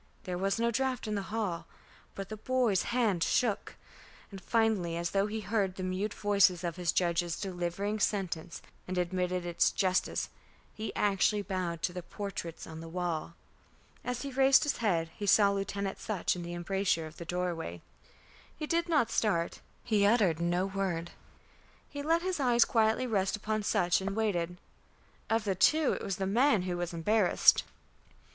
There was no draught in the hall, but the boy's hand shook. And finally, as though he heard the mute voices of his judges delivering sentence and admitted its justice, he actually bowed to the portraits on the wall. As he raised his head, he saw Lieutenant Sutch in the embrasure of the doorway. He did not start, he uttered no word; he let his eyes quietly rest upon Sutch and waited. Of the two it was the man who was embarrassed.